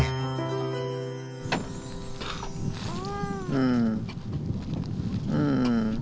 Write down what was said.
うんうん。